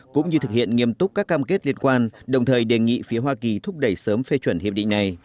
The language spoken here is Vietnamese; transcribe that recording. cũng như thực hiện nghiêm túc các cam kết liên quan đồng thời đề nghị phía hoa kỳ thúc đẩy sớm phê chuẩn hiệp định này